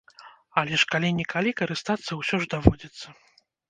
Але ж калі-нікалі карыстацца ўсё ж даводзіцца.